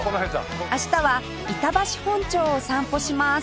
明日は板橋本町を散歩します